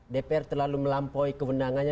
dpr terlalu melampaui kewenangannya